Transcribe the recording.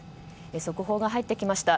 速報が入ってきました。